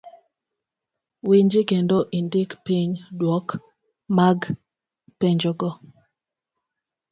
winji kendo indik piny duoko mag penjogo.